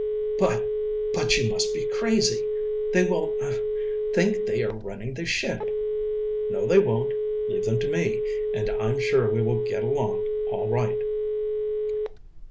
"But but you must be crazy. They will er think they are running the ship!" "No, they won't. Leave them to me, and I'm sure we will get along all right.